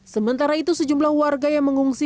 sementara itu sejumlah warga yang mengungsi